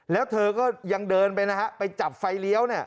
แล้วเธอก็ยังเดินไปนะฮะไปจับไฟเลี้ยวเนี่ย